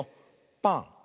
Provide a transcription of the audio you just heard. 「パン」。